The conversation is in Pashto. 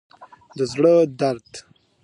د زړه درد